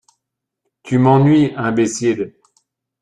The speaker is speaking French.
Tu m’ennuies, imbécile !…